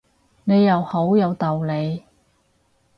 你又好有道理